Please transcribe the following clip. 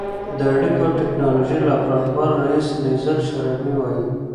د اړیکو او ټېکنالوژۍ لابراتوار رییسه لیزل شرابي وايي